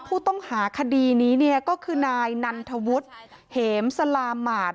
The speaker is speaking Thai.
ผู้ต้องหาคดีนี้เนี่ยก็คือนายนันทวุฒิเหมสลาหมาด